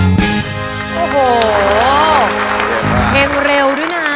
โอ้โหเพลงเร็วด้วยนะ